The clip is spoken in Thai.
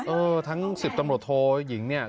เออทั้ง๑๐ตำรวจโทยิงเนี่ย